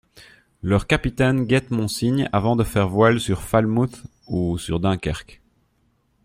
Leurs capitaines guettent mon signe avant de faire voile sur Falmouth ou sur Dunkerque.